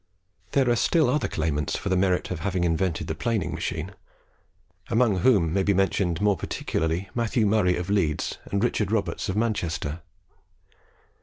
There are still other claimants for the merit of having invented the planing machine; among whom may be mentioned more particularly Matthew Murray of Leeds, and Richard Roberts of Manchester.